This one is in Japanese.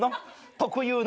特有の。